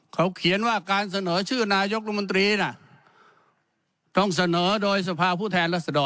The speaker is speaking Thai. เขาเขียนว่าการเสนอชื่อนายกรมนตรีน่ะต้องเสนอโดยสภาผู้แทนรัศดร